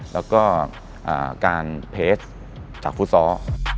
แล้วก็การเพจจากฟุตซอล